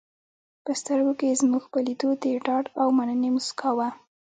په سترګو کې یې زموږ په لیدو د ډاډ او مننې موسکا وه.